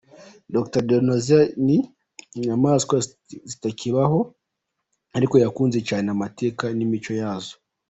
D: Dinozor ni inyamaswa zitakibaho ariko yakunze cyane amateka n’imico yazo.